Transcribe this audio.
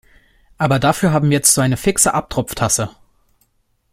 Aber dafür haben wir jetzt so eine fixe Abtropftasse.